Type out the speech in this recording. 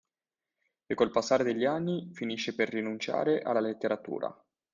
E col passare degli anni finisce per rinunciare alla letteratura.